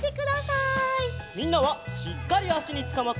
みんなはしっかりあしにつかまって！